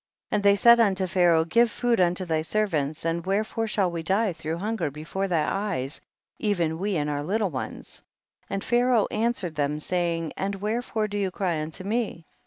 21. And they said unto Pharaoh, give food unto thy servants, and wherefore shall we die through hun ger before thy eyes, even we and our little ones ? 22. And Pharaoh answered them, saying, and wherefore do you cry unto me